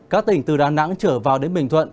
các tỉnh từ đà nẵng trở vào đến bình thuận